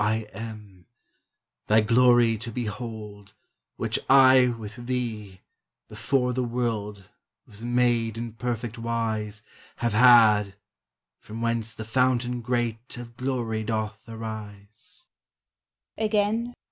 I am Thy glory to behold; Which I with Thee, before the world Was made in perfect wise, Have had from whence the fountain great Of glory doth arise."